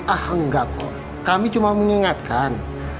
ah enggak kok kami cuma mengingatkan